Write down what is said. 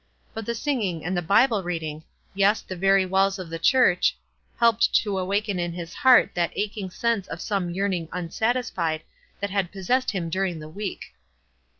But the singing and the Bible reading, — yes, the very walls of the church, helped to awaken in his heart that aching sense of some yearning unsatisfied that had possessed him during the week.